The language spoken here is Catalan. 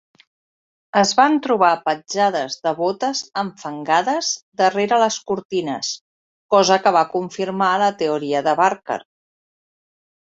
Es van trobar petjades de botes enfangades darrere les cortines, cosa que va confirmar la teoria de Barker.